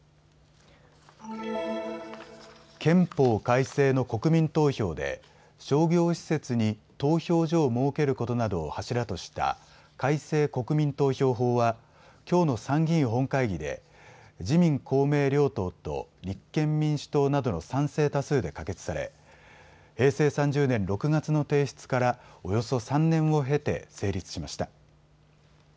憲法改正の国民投票で商業施設に、投票所を設けることなどを柱とした改正国民投票法はきょうの参議院本会議で自民公明両党と、立憲民主党などの賛成多数で可決され平成３０年６月の提出から、およそ３年を経て成立しました。